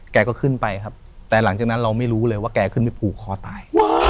แกก็ขึ้นไปครับแต่หลังจากนั้นเราไม่รู้เลยว่าแกขึ้นไปผูกคอตาย